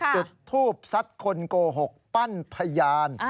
จุดทูบซัดคนโกหกปั้นพยาน